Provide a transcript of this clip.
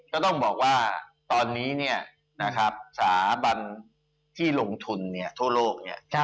ก็ต้องบอกว่าตอนนี้เนี่ยนะครับสถาบันที่ลงทุนทั่วโลกเนี่ย